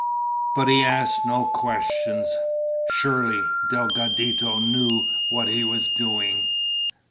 But he asked no questions. Surely Delgadito knew what he was doing.